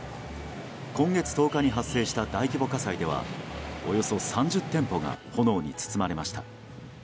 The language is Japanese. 今月１０日に発生した大規模火災ではおよそ３０店舗が炎に包まれました。